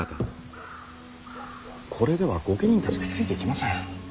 これでは御家人たちがついてきません。